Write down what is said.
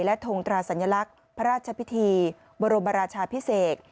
และทงตราสัญลักษณ์พระราชพิธีบรมราชาพิเศษ